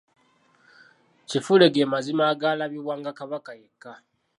Kifule ge mazina agaalabibwanga Kabaka yekka?